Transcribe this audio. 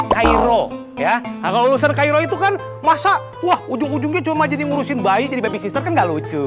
kalau lulusan cairo itu kan masa ujung ujungnya cuma jadi ngurusin bayi jadi baby sister kan gak lucu